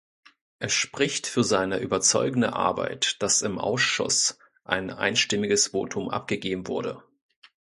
Es spricht für seine überzeugende Arbeit, dass im Ausschuss ein einstimmiges Votum abgegeben wurde.